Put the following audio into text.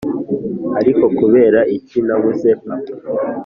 ariko kubera iki nabuze papa?